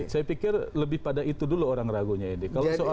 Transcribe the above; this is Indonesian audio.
saya pikir lebih pada itu dulu orang ragunya ini